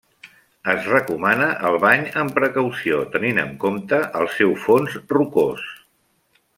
Es recomana el bany amb precaució, tenint en compte el seu fons rocós.